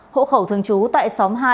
hộ khẩu thường trú tại xóm hai